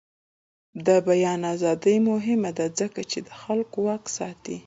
د بیان ازادي مهمه ده ځکه چې د خلکو واک ساتي.